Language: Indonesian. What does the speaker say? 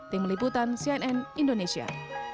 tim liputan cnn indonesia